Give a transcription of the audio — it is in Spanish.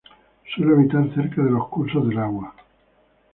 Suele habitar cerca de los cursos de agua.